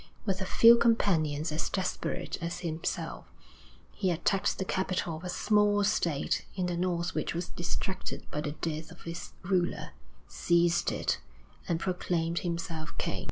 With a few companions as desperate as himself, he attacked the capital of a small state in the North which was distracted by the death of its ruler, seized it, and proclaimed himself king.